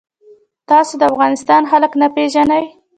تاسو د افغانستان خلک نه پیژنئ.